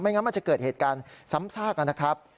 งั้นมันจะเกิดเหตุการณ์ซ้ำซากนะครับ